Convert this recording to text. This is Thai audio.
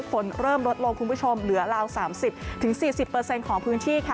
ฝนเริ่มลดลงคุณผู้ชมเหลือราว๓๐๔๐ของพื้นที่ค่ะ